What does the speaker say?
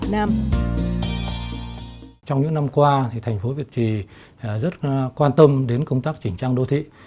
trong những năm qua thì thành phố việt trì rất quan tâm đến công tác chỉnh trang đô thị